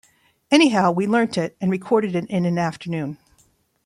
Anyhow, we learnt it and recorded it in an afternoon.